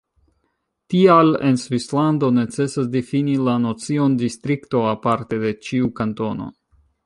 Tial en Svislando necesas difini la nocion distrikto aparte en ĉiu kantono.